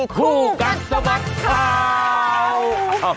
คู่กัดสบัดครัว